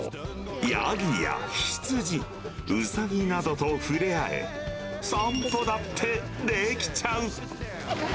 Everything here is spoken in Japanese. ヤギやヒツジ、ウサギなどと触れ合え、散歩だってできちゃう。